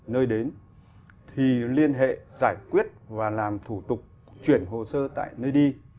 nơi đến thì liên hệ giải quyết và làm thủ tục chuyển hồ sơ tại nơi đi